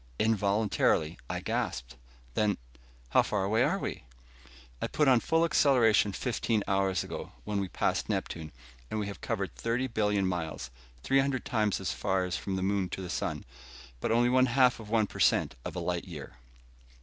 Involuntarily, I gasped. "Then how far away are we?" "I put on full acceleration fifteen hours ago, when we passed Neptune, and we have covered thirty billion miles three hundred times as far as from the moon to the sun, but only one half of one per cent of a light year."